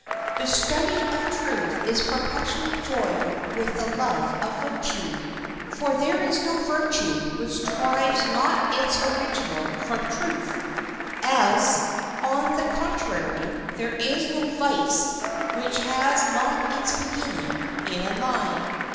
The study of truth is perpetually joined with the love of virtue. For there is no virtue which derives not its original from truth; as, on the contrary, there is no vice which has not its beginning in a lie.